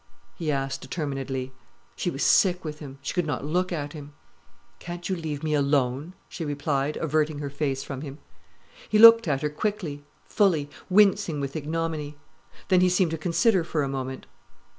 he asked determinedly. She was sick with him. She could not look at him. "Can't you leave me alone?" she replied, averting her face from him. He looked at her quickly, fully, wincing with ignominy. Then he seemed to consider for a moment.